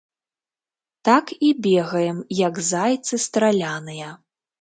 Так і бегаем, як зайцы страляныя.